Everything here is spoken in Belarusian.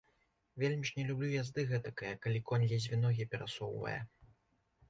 Вельмі ж не люблю язды гэтакае, калі конь ледзьве ногі перасоўвае.